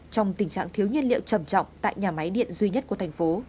trong tình trạng thiếu nhiên liệu trầm trọng tại nhà máy điện duy nhất của thành phố